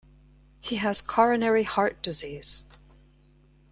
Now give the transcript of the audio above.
He has coronary heart disease.